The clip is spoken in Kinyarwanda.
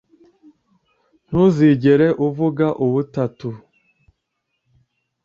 ntuzigere uvuga ubutatu